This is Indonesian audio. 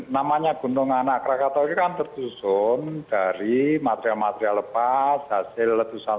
namanya gunung anak rakatau ini kan tersusun dari material material lepas hasil letusan